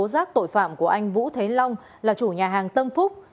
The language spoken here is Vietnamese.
tố giác tội phạm của anh vũ thế long là chủ nhà hàng tâm phúc